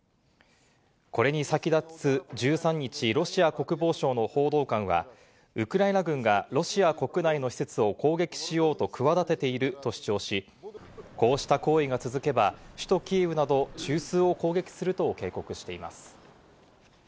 これに先立つ１３日、ロシア国防省の報道官は、ウクライナ軍がロシア国内の施設を攻撃しようと企てていると主張し、こうした行為が続けば首都キーウなど中枢を攻撃すると警告しています。